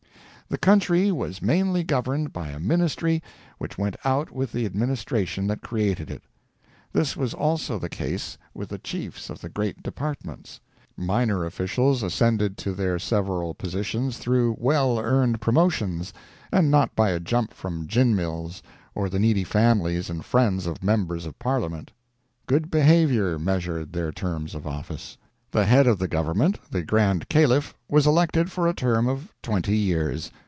The country was mainly governed by a ministry which went out with the administration that created it. This was also the case with the chiefs of the great departments. Minor officials ascended to their several positions through well earned promotions, and not by a jump from gin mills or the needy families and friends of members of parliament. Good behaviour measured their terms of office. The head of the government, the Grand Caliph, was elected for a term of twenty years.